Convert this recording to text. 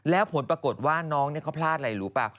แล้วผลปรากฏว่าน้องเขาพลาดอะไรรู้ป่ะ